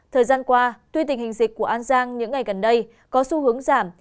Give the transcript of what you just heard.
thời gian qua tuy tình hình dịch của an giang những ngày gần đây có xu hướng giảm